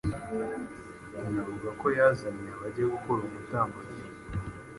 inavuga ko yazaniye abazajya gukora uwo mutambagiro,